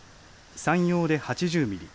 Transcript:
山陽で８０ミリ。